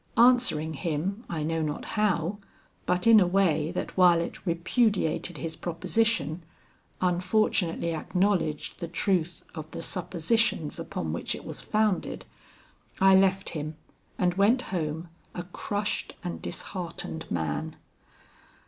Answering him I know not how, but in a way that while it repudiated his proposition, unfortunately acknowledged the truth of the suppositions upon which it was founded, I left him and went home, a crushed and disheartened man.